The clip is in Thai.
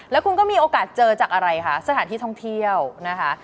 แล้วคุณก็มีโอกาสเจอจากอะไรคะสถานที่ท่องเที่ยวนะคะ